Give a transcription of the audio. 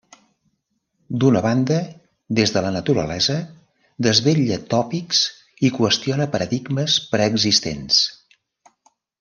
D'una banda, des de la naturalesa, desvetlla tòpics i qüestiona paradigmes preexistents.